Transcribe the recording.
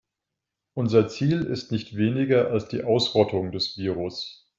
Unser Ziel ist nicht weniger als die Ausrottung des Virus.